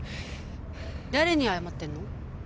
誰に謝ってんの？